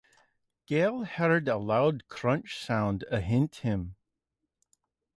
Gale heard a loud crunch sound behind him.